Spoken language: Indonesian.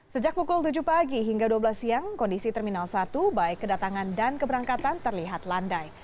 sejak pukul tujuh pagi hingga dua belas siang kondisi terminal satu baik kedatangan dan keberangkatan terlihat landai